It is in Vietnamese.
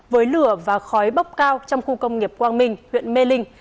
với lửa và khói bốc cao trong khu công nghiệp quang minh huyện mê linh